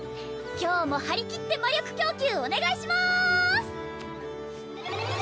今日も張り切って魔力供給お願いしまーす！